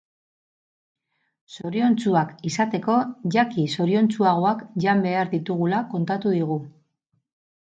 Zoriontsuak izateko jaki zoriontsuagoak jan behar ditugula kontatu digu.